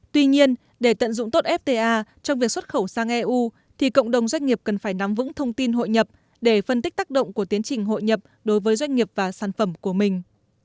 tuy nhiên để tận dụng tốt fta trong việc xuất khẩu sang eu thì cộng đồng doanh nghiệp cần phải nắm vững thông tin hội nhập để phân tích tác động của tiến trình hội nhập đối với doanh nghiệp và sản phẩm của mình